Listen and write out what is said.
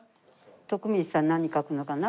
徳光さん何書くのかな？